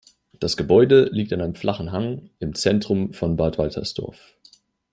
Das Gebäude liegt an einem flachen Hang im Zentrum von Bad Waltersdorf.